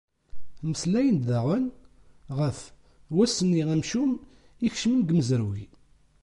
Mmeslayen-d daɣen ɣef wass-nni amcum i ikecmen deg umezruy.